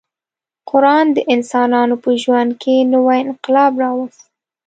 قران د انسانانو په ژوند کې نوی انقلاب راوست.